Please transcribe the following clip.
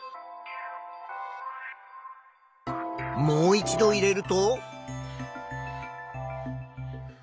もう一度入れると。